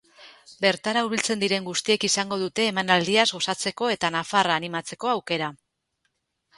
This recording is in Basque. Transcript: Bertara hurbiltzen diren guztiek izango dute emanaldiaz gozatzeko eta nafarra animatzeko aukera.